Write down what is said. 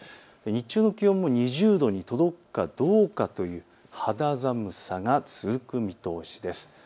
日中の気温も２０度に届くかどうかという肌寒さが続く見通しです。